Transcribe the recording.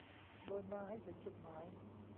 โดยมาให้ถึงจุดหมาย